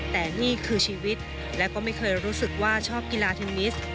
แต่นี่คือชีวิตและก็ไม่เคยรู้สึกว่าชอบกีฬาเทนนิส